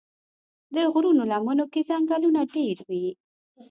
د غرونو لمنو کې ځنګلونه ډېر وي.